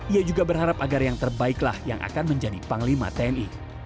ia juga berharap agar yang terbaiklah yang akan menjadi panglima tni